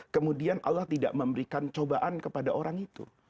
kemudian allah tidak memberikan cobaan kepada orang itu